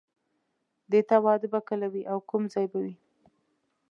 د تا واده به کله وي او کوم ځای به وي